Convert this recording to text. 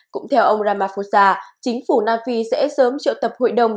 cũng theo ông ramaphosa chính phủ nam phi sẽ sớm triệu tập hội đồng